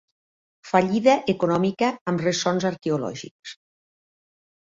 Fallida econòmica amb ressons arqueològics.